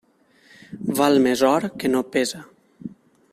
Val més or que no pesa.